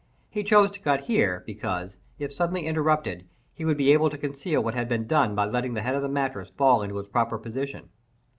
He chose to cut here, because, if suddenly interrupted, he would be able to conceal what had been done by letting the head of the mattress fall into its proper position.